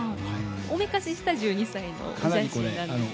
おめかしした１２歳のお写真なんですね。